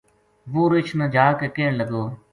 وہ رچھ نا جا کے کہن لگو